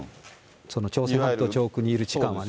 朝鮮半島の上空にいる時間は。